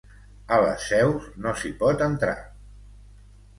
A les seus no s'hi pot entrar